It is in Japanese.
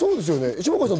下川さん